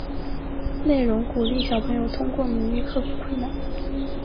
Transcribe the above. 内容鼓励小朋友通过努力克服困难。